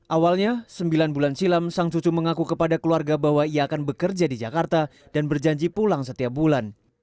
awalnya sembilan bulan silam sang cucu mengaku kepada keluarga bahwa ia akan bekerja di jakarta dan berjanji pulang setiap bulan